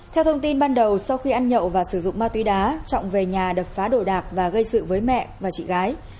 theo thông tin ban đầu sau khi ăn nhậu và sử dụng ma túy đá trọng về nhà đập phá đồ đạc và gây sự với mẹ và chị gái